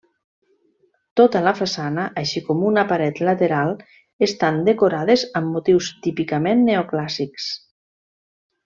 Tota la façana, així com una paret lateral, estan decorades amb motius típicament neoclàssics.